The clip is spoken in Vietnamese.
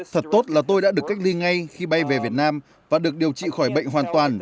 thật tốt là tôi đã được cách ly ngay khi bay về việt nam và được điều trị khỏi bệnh hoàn toàn